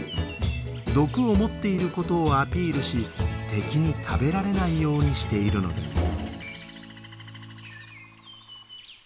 毒を持っていることをアピールし敵に食べられないようにしているのです。